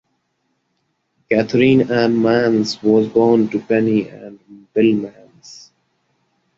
Catharine Ann Mans was born to Penny and Bill Mans.